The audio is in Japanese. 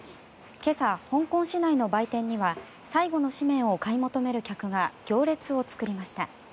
今朝、香港市内の売店では最後の紙面を買い求める客が行列を作りました。